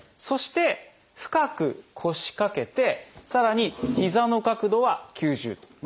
そして深く腰掛けてさらにひざの角度は９０度。